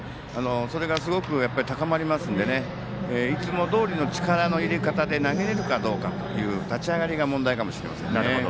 それがすごく高まりますんでいつもどおりの力の入れ方で投げられるかどうかという立ち上がりが問題かもしれませんね。